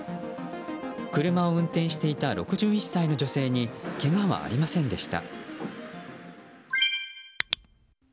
車を運転していた６１歳の女性にけがはありませんでした。